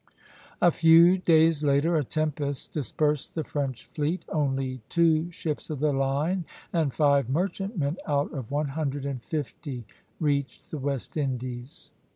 A few days later a tempest dispersed the French fleet. Only two ships of the line and five merchantmen out of one hundred and fifty reached the West Indies.